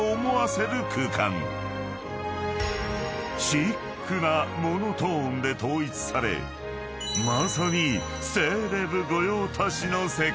［シックなモノトーンで統一されまさに］